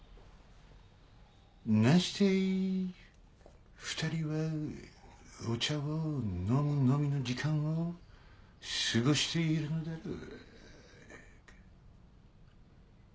なんして２人はお茶を飲むのみの時間を過ごしているのだろうか。